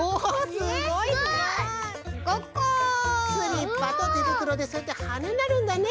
スリッパとてぶくろでそうやってはねになるんだね。